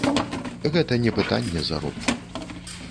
Гэта не пытанне заробку.